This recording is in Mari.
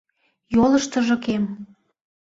Йолыштыжо кем.